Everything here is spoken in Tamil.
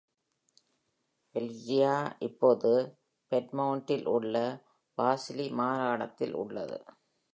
Valduggia இப்போது Piedmont ல் உள்ள Vercelli மாகாணத்தில் உள்ளது.